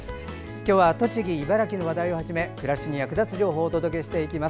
今日は栃木、茨城の話題をはじめ暮らしに役立つ情報をお届けしていきます。